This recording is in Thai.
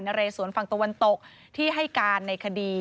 เรสวนฝั่งตะวันตกที่ให้การในคดี